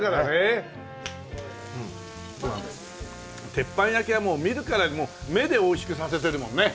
鉄板焼きはもう見るからに目で美味しくさせてるもんね。